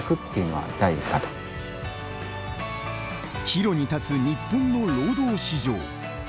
岐路に立つ日本の労働市場。